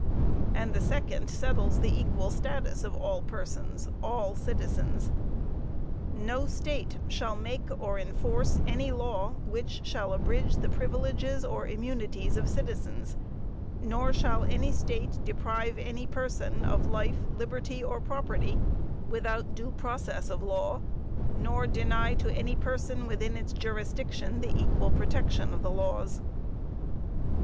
And the second settles the equal status of all persons all citizens: "No state shall make or enforce any law which shall abridge the privileges or immunities of citizens; nor shall any state deprive any person of life, liberty or property, without due process of law, nor deny to any person within its jurisdiction the equal protection of the laws."